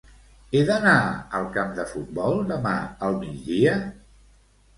He d'anar al camp de futbol demà al migdia?